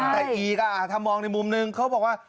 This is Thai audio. แต่อีกถ้ามองในมุมนึงเขาบอกว่า